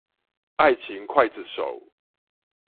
愛情劊子手